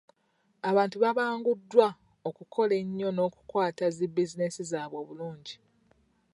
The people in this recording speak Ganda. Abantu baabanguddwa okukola ennyo n'okukwata zi bizinesi zaabwe obulungi.